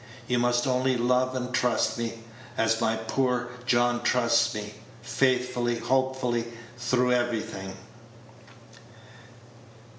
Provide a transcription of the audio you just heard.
You must only love and trust me as my poor John trusts me faithfully, hopefully, through everything."